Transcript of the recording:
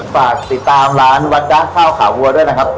ฝากติดตามร้านวัดจ๊ะข้าวขาวัวด้วยนะครับ